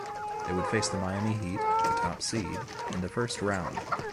They would face the Miami Heat, the top seed, in the first round.